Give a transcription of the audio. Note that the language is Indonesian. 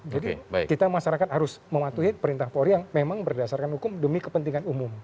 kita masyarakat harus mematuhi perintah polri yang memang berdasarkan hukum demi kepentingan umum